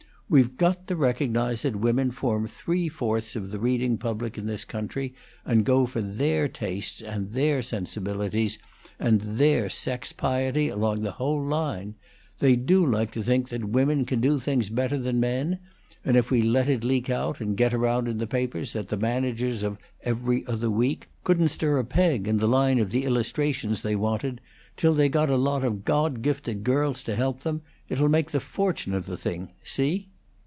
We've got to recognize that women form three fourths of the reading public in this country, and go for their tastes and their sensibilities and their sex piety along the whole line. They do like to think that women can do things better than men; and if we can let it leak out and get around in the papers that the managers of 'Every Other Week' couldn't stir a peg in the line of the illustrations they wanted till they got a lot of God gifted girls to help them, it 'll make the fortune of the thing. See?"